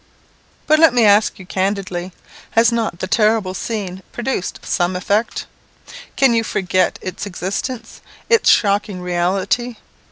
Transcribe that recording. But, let me ask you candidly, has not the terrible scene produced some effect? Can you forget its existence, its shocking reality?